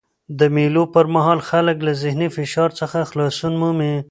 د مېلو پر مهال خلک له ذهني فشار څخه خلاصون مومي.